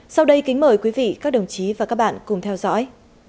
sau đây kính mời quý vị các đồng chí và các bạn cùng theo dõi